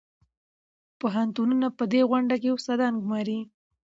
پوهنتونونه په دې غونډه کې استادان ګماري.